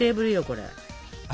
これ。